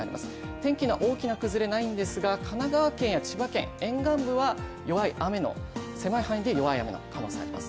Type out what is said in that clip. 天気の大きな崩れはないんですが神奈川県や千葉県沿岸部は狭い範囲で弱い雨の可能性があります。